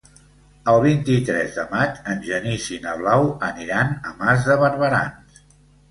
El vint-i-tres de maig en Genís i na Blau aniran a Mas de Barberans.